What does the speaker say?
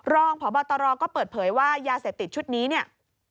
รองพบตรก็เปิดเผยว่ายาเสพติดชุดนี้เนี่ย